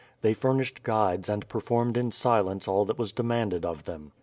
They furnished guides and performed in silence all that was demanded of them.